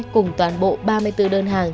cùng toàn bộ ba mươi bốn đơn hàng